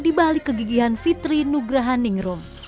di balik kegigihan fitri nugrahaningrum